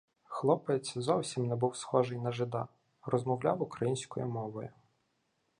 Хлопець зовсім не був схожий на жида, розмовляв українською мовою.